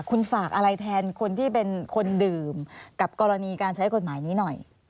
คุณฝากอะไรแทนคนที่เป็นคนดื่มกับกรณีการใช้กฎหมายนี้หน่อย